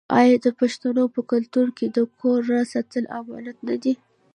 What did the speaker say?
آیا د پښتنو په کلتور کې د کور راز ساتل امانت نه دی؟